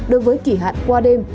đối với kỳ hạn qua đêm